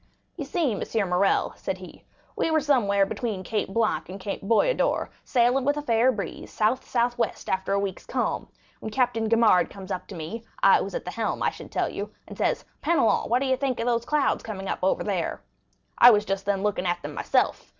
"You see, M. Morrel," said he, "we were somewhere between Cape Blanc and Cape Boyador, sailing with a fair breeze, south south west after a week's calm, when Captain Gaumard comes up to me—I was at the helm I should tell you—and says, 'Penelon, what do you think of those clouds coming up over there?' I was just then looking at them myself.